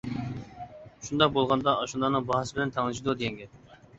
شۇنداق بولغاندا ئاشۇلارنىڭ باھاسى بىلەن تەڭلىشىدۇ دېگەن گەپ.